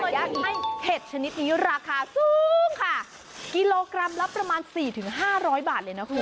ก็มีเห็ดชนิดนี้ราคาซูงค่ะกิโลกรัมรับประมาณ๔๕๐๐บาทเลยนะคุณ